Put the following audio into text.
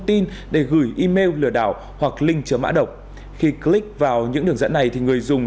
tin để gửi email lừa đảo hoặc link chứa mã độc khi click vào những đường dẫn này thì người dùng